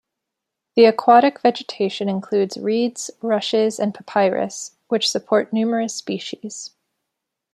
The aquatic vegetation includes reeds, rushes, and papyrus, which support numerous species.